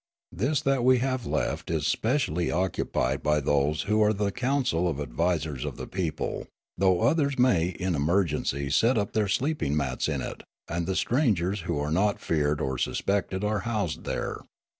This that we have left is specially occupied by those who are the coftncil of advisers of the people, though others may in emergency set up their sleeping mats in it, and the strangers who are not feared or suspected are housed here.